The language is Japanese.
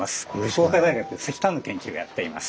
福岡大学で石炭の研究をやっています。